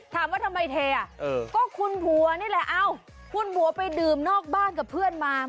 ถามว่าทำไมเทอ่ะก็คุณผัวนี่แหละเอ้าคุณผัวไปดื่มนอกบ้านกับเพื่อนมา